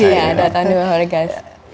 iya dua tahun di pasang regas